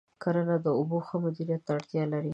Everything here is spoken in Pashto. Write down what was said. کرنه د اوبو د ښه مدیریت ته اړتیا لري.